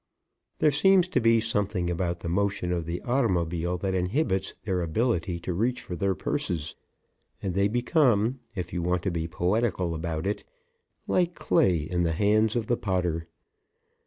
There seems to be something about the motion of the automobile that inhibits their ability to reach for their purses, and they become, if you want to be poetical about it, like clay in the hands of the potter.